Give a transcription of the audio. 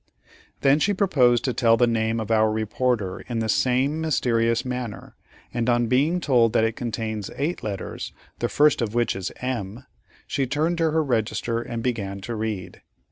Then she proposed to tell the name of our reporter in the same mysterious manner, and on being told that it contains eight letters, the first of which is "M," she turned to her register and again began to read.